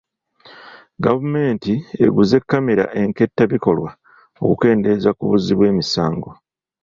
Gavumenti eguze kamera enkettabikolwa okukendeeza ku buzzi bw'emisango.